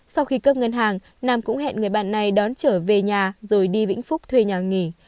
sau khi cướp ngân hàng nam cũng hẹn người bạn này đón trở về nhà rồi đi vĩnh phúc thuê nhà nghỉ